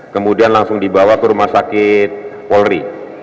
kemudian langsung dibawa ke rumah sakit polri